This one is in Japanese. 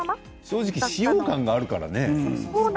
正直使用感があるからね。